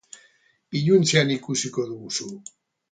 Iluntzean ikusiko duzu.